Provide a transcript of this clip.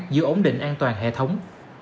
giữa ổn định an toàn hệ thống